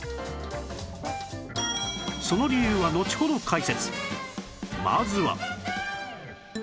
その理由はのちほど解説